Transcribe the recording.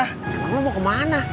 helm lo mau kemana